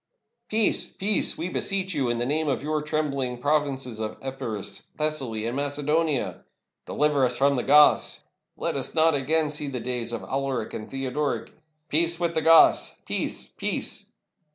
"Peace! peace! we beseech you, in the name of your trembhng provinces of Epirus, Thessaly, and Mace donia!" "Deliver us from the Goths!" "Let us not again see the days of Alaric and Theod oric!" "Peace with the Goths! Peace! peace!"